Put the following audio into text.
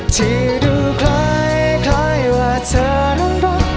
ที่ดูคล้ายว่าเธอนั้นรัก